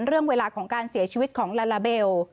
เรื่องเวลาของการเสียชีวิตของลาลาเบล